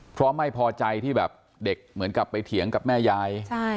เพราะไม่พอใจที่แบบเด็กเหมือนกับไปเถียงกับแม่ยาย